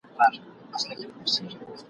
اورېدل باندي لوټونه غیرانونه ..